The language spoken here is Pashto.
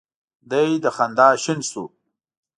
دی له خندا شین شو.